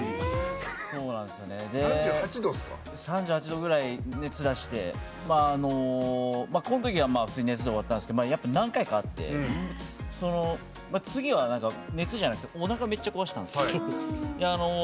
３８度ぐらいの熱を出してこのときは普通に熱だけで終わったんですけどやっぱ何回かあって、次は熱じゃなくておなかをめっちゃ壊したです。